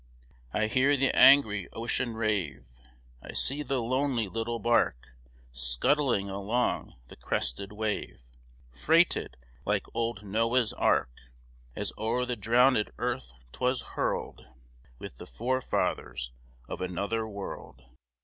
I hear the angry ocean rave, I see the lonely little bark Scudding along the crested wave, Freighted like old Noah's ark, As o'er the drownèd earth 'twas hurled, With the forefathers of another world.